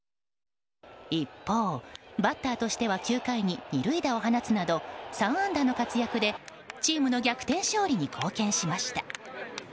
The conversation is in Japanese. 一方、バッターとしては９回に２塁打を放つなど３安打の活躍でチームの逆転勝利に貢献しました。